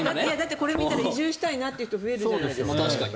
これ見たら移住したいという人増えるじゃないですか。